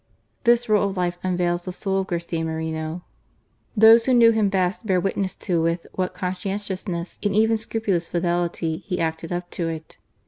This rule of life unveils the soul of Garcia Moreno. Those who knew him best bear witness to with what conscientiousness and even scrupulous fidelity he acted up to it.